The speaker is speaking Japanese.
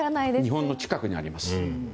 日本の近くにあります。